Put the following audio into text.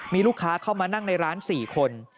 มีลูกค้าเข้ามานั่งในร้าน๔คน